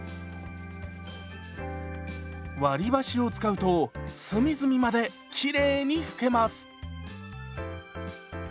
割り箸を使うと隅々まできれいに拭けます。